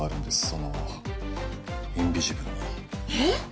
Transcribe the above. そのインビジブルにえっ？